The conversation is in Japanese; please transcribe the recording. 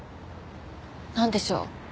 なんでしょう？